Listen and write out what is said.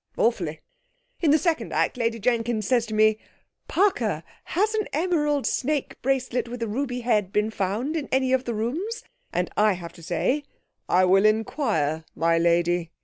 'Awfully. In the second act, Lady Jenkins says to me, "Parker, has an emerald snake bracelet with a ruby head been found in any of the rooms?" and I have to say, "I will inquire, my lady."